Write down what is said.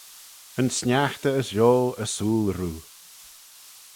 Yn sniaghtey as rio ersooyl roo.